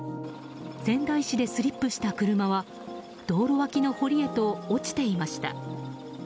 仙台市でスリップした車は道路脇の堀へと落ちていました。